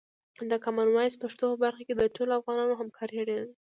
د کامن وایس پښتو په برخه کې د ټولو افغانانو همکاري اړینه ده.